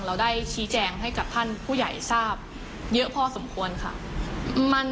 เราได้ชี้แจงให้กับท่านผู้ใหญ่ทราบเยอะพอสมควรค่ะ